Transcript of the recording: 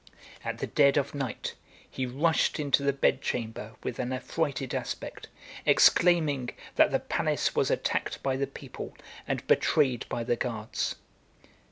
At the dead of night, he rushed into the bed chamber with an affrighted aspect, exclaiming, that the palace was attacked by the people and betrayed by the guards.